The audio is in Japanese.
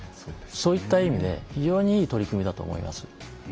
そういった意味で非常にいい取り組みだと思います。